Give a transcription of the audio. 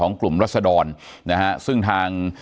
อย่างที่บอกไปว่าเรายังยึดในเรื่องของข้อ